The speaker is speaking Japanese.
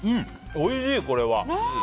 おいしい、これは。